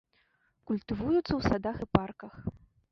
Культывуюцца ў садах і парках.